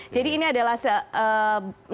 jadi ini adalah nama nama